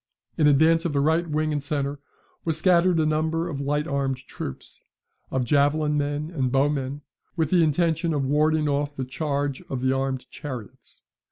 In advance of the right wing and centre was scattered a number of light armed troops, of javelin men and bowmen, with the intention of warding off the charge of the armed chariots.